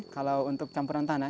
kalau untuk campuran tanah